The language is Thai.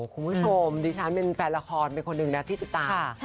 คุณผู้ชมดิฉันเป็นแฟนละครเป็นคนหนึ่งนะที่ติดตาม